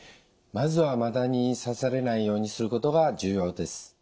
まずはマダニに刺されないようにすることが重要です。